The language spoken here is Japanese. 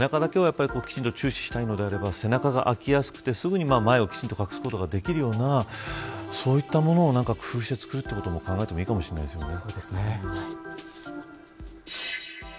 背中だけをきちんと注視したいのであれば背中が開きやすくてすぐに前を隠すことができるようなそういったものを工夫して作るということも考えていいかもしれませんね。